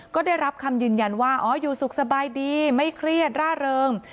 ก็ได้รับคำยืนยันว่าอ๋ออยู่สุขสบายดีไม่เครียดร่าเริง